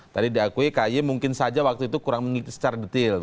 tadi diakui kaye mungkin saja waktu itu kurang mengerti secara detail